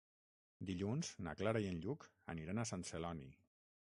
Dilluns na Clara i en Lluc aniran a Sant Celoni.